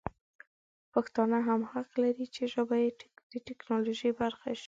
پښتانه هم حق لري چې ژبه یې د ټکنالوژي برخه شي.